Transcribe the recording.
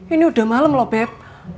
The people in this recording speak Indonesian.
ini udah malem loh beb